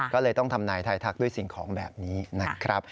ก็เลยต้องทำนายทายทักด้วยสิ่งของแบบนี้นะครับ